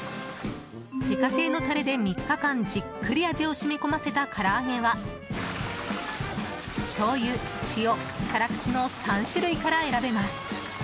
自家製のタレで３日間じっくり味をしみ込ませた唐揚げはしょうゆ、塩、辛口の３種類から選べます。